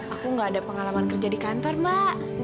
aku gak ada pengalaman kerja di kantor mbak